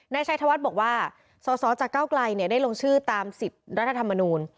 นายชัยธวัฒน์บอกว่าสสจากเก้าไกลได้ลงชื่อตาม๑๐รัฐธรรมนูล